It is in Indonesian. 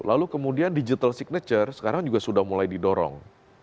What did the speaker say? lalu kemudian digital signature sekarang juga sudah mulai didorong